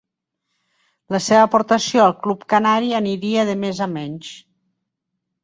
La seua aportació al club canari aniria de més a menys.